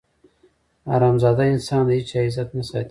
حرامزاده انسان د هېچا عزت نه ساتي.